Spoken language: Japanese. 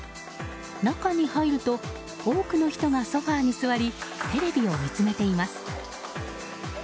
中に入ると多くの人がソファーに座りテレビを見つめています。